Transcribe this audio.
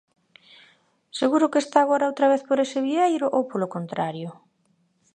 ¿Seguro que está agora outra vez por ese vieiro ou polo contrario?